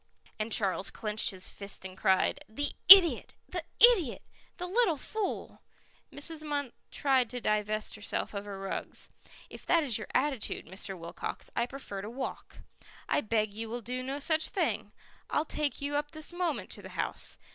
And Charles clenched his fist and cried, "The idiot, the idiot, the little fool!" Mrs. Munt tried to divest herself of her rugs. "If that is your attitude, Mr. Wilcox, I prefer to walk." "I beg you will do no such thing. I'll take you up this moment to the house.